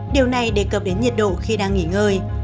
điều này đề cập đến nhiệt độ khi đang nghỉ ngơi